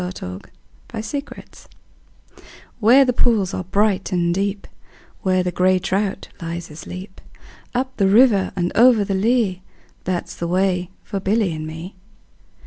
A Boy's Song WHERE the pools are bright and deep, Where the grey trout lies asleep, Up the river and over the lea, That 's the way for Billy and me.